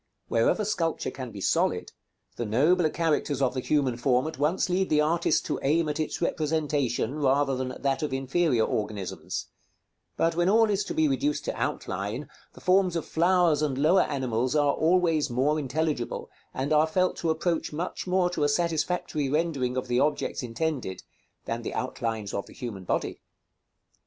Wherever sculpture can be solid, the nobler characters of the human form at once lead the artist to aim at its representation, rather than at that of inferior organisms; but when all is to be reduced to outline, the forms of flowers and lower animals are always more intelligible, and are felt to approach much more to a satisfactory rendering of the objects intended, than the outlines of the human body.